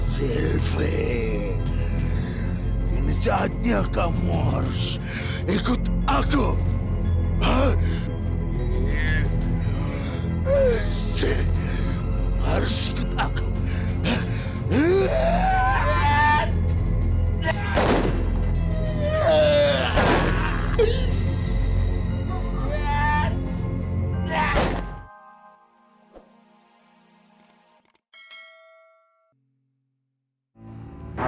sampai jumpa di video selanjutnya